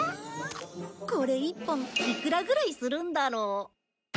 これ１本いくらぐらいするんだろう？